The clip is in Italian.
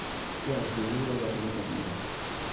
È anche immune alla telepatia.